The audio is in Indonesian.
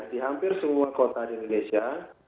di hampir semua kota di indonesia